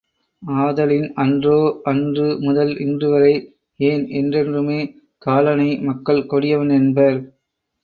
ஆதலின் அன்றோ அன்று முதல் இன்றுவரை, ஏன் என்றென்றுமே காலனை மக்கள் கொடியவன் என்பர்.